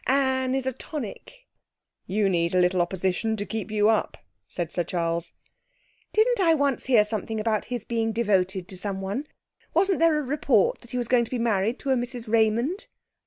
Anne is a tonic.' 'You need a little opposition to keep you up,' said Sir Charles. 'Didn't I once hear something about his being devoted to someone? Wasn't there a report that he was going to be married to a Mrs. Raymond?'